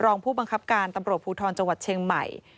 รองผู้บังคับการตำรวจภูทรจังหวัดเชียงใหม่